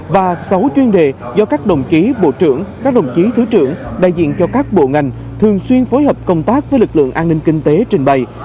và sáu chuyên đề do các đồng chí bộ trưởng các đồng chí thứ trưởng đại diện cho các bộ ngành thường xuyên phối hợp công tác với lực lượng an ninh kinh tế trình bày